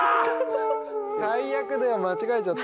最悪だよ間違えちゃった。